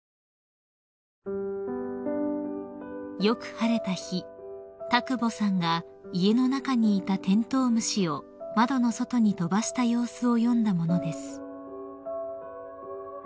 ［よく晴れた日田久保さんが家の中にいたテントウムシを窓の外に飛ばした様子を詠んだものです］